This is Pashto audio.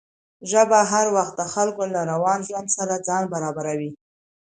ژبه هر وخت د خلکو له روان ژوند سره ځان برابروي.